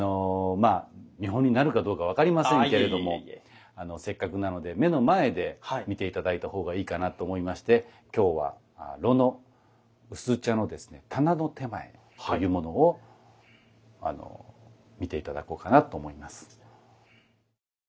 まあ見本になるかどうか分かりませんけれどもせっかくなので目の前で見て頂いた方がいいかなと思いまして今日は炉の薄茶のですね棚の点前というものを見て頂こうかなと思います。